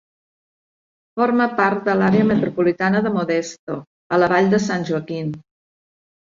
Forma part de l'àrea metropolitana de Modesto, a la vall de San Joaquin.